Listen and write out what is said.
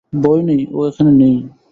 ভয় নেই, ও এখানে নেই।